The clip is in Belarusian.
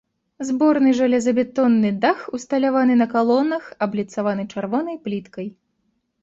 Зборны жалезабетонны дах усталяваны на калонах, абліцаваны чырвонай пліткай.